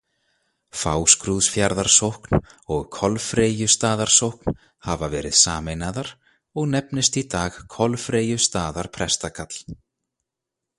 Fáskrúðsfjarðarsókn og Kolfreyjustaðarsókn hafa verið sameinaðar og nefnist í dag Kolfreyjustaðarprestakall.